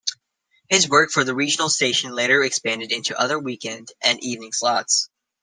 His work for the regional station later expanded into other weekend and evening slots.